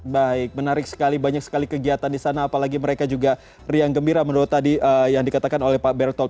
baik menarik sekali banyak sekali kegiatan di sana apalagi mereka juga riang gembira menurut tadi yang dikatakan oleh pak berttold